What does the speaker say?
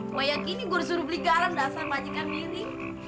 gua yang kini gua disuruh beli garam dasar majikan diri